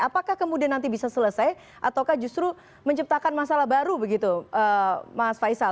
apakah kemudian nanti bisa selesai ataukah justru menciptakan masalah baru begitu mas faisal